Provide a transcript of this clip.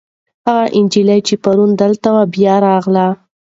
هغه نجلۍ چې پرون دلته وه، بیا راغله.